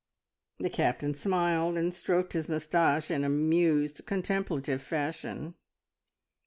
The Captain smiled and stroked his moustache in amused, contemplative fashion.